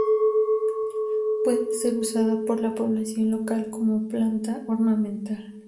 Puede ser usada por la población local como planta ornamental.